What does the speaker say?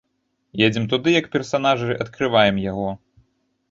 Едзем туды як персанажы, адкрываем яго.